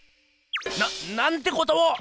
⁉なっなんてことを！